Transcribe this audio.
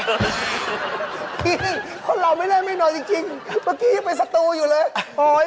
พี่คนเราไม่ได้ไม่นอนจริงตอนนี้คืออยู่เป็นศัตรูอยู่เลย